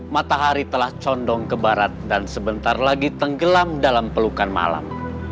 matahari telah condong ke barat dan sebentar lagi tenggelam dalam pelukan malam